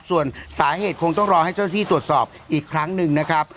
ส่วนสาเหตุคงต้องรอให้เจ้าที่ตรวจสอบอีกครั้งหนึ่งนะครับ